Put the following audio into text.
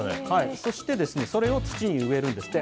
そして、それを土に植えるんですって。